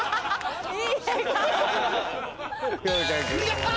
やった！